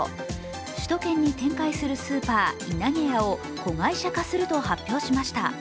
首都圏に展開するスーパーいなげやを子会社化すると発表しました。